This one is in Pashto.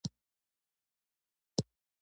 هغه ځای چېرته چې بسونه ودرېدل ټيټ و.